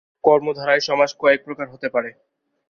কর্মধারয় সমাস কয়েক প্রকার হতে পারে।